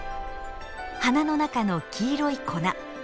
花の中の黄色い粉。